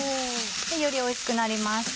よりおいしくなります。